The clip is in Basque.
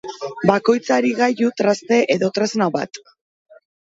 Bakoitzari gailu, traste edo tresna bat.